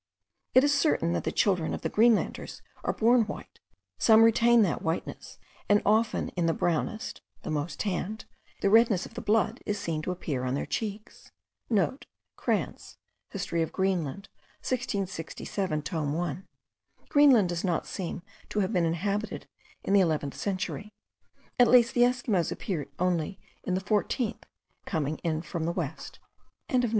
It is certain that the children of the Greenlanders are born white; some retain that whiteness; and often in the brownest (the most tanned) the redness of the blood is seen to appear on their cheeks.* (* Krantz, Hist. of Greenland 1667 tome 1. Greenland does not seem to have been inhabited in the eleventh century; at least the Esquimaux appeared only in the fourteenth, coming from the west.)